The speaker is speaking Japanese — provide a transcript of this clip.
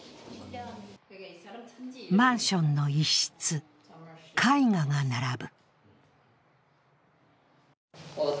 マンションの一室、絵画が並ぶ。